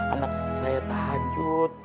anak saya tahajud